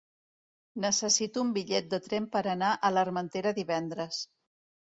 Necessito un bitllet de tren per anar a l'Armentera divendres.